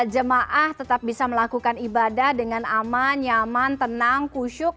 jemaah tetap bisa melakukan ibadah dengan aman nyaman tenang kusyuk